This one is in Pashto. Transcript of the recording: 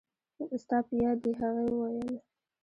ستا په یاد دي؟ هغې وویل.